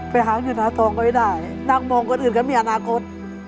ไปหาเงินหาทองก็ไม่ได้นั่งมองคนอื่นก็มีอนาคต